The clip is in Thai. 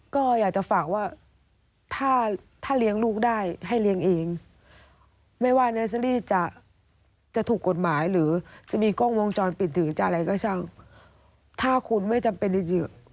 ก็อยากจะฝากว่าถ้าถ้าเลี้ยงลูกได้ให้เลี้ยงเองไม่ว่าเนสเตอรี่จะถูกกฎหมายหรือจะมีกล้องวงจรปิดหรือจะอะไรก็ช่างถ้าคุณไม่จำเป็นจะอยู่